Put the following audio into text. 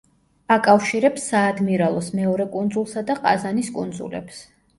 აკავშირებს საადმირალოს მეორე კუნძულსა და ყაზანის კუნძულებს.